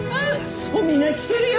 もうみんな来てるよ。